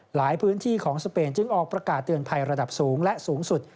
หลายพื้นที่ของสเปนจึงออกประกาศเตือนภัยระดับสูงและสูงสุด